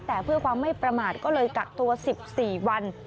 แต่เพื่อความไม่ประมาทก็เลยกักตัว๑๔วัน